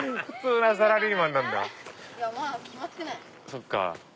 そっか。